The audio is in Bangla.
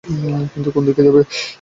কিন্তু কোন দিকে যাবে?